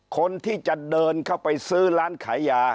คนที่จะเดินเข้าไปซื้อร้านขายยา